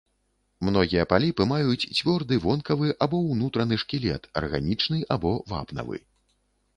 Многія паліпы маюць цвёрды вонкавы або ўнутраны шкілет, арганічны або вапнавы.